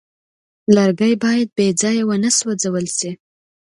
لرګی باید بېځایه ونه سوځول شي.